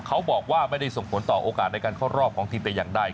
เขาบอกว่าไม่ได้ส่งผลต่อโอกาสในการเข้ารอบของทีมแต่อย่างใด